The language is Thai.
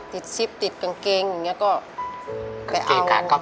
ติดซิบติดกางเกงอย่างนี้ก็